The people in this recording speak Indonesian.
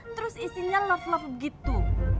terus isinya love love gitu